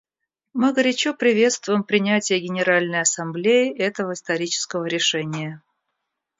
Мы горячо приветствуем принятие Генеральной Ассамблеей этого исторического решения.